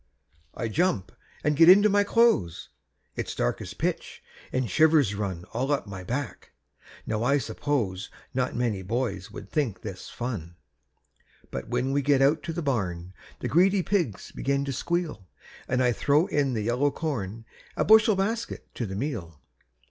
I jump an' get into my clothes; It's dark as pitch, an' shivers run All up my back. Now, I suppose Not many boys would think this fun. But when we get out to the barn The greedy pigs begin to squeal, An' I throw in the yellow corn, A bushel basket to the meal.